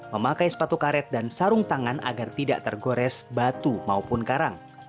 memakai sepatu karet dan sarung tangan agar tidak tergores batu maupun karang